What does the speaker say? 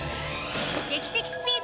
劇的スピード！